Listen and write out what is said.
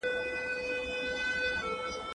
آیا د مسمومیت نښې نښانې په کوچنیو ماشومانو کې جدي دي؟